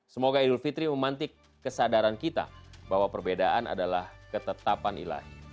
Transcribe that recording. semoga idul fitri memantik kesadaran kita bahwa perbedaan adalah ketetapan ilahi